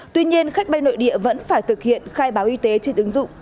tuy nhiên khách bay nội địa vẫn phải thực hiện khai báo y tế trên ứng dụng